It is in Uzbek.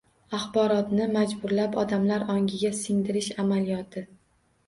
Axborotni majburlab odamlar ongiga singdirish amaliyoti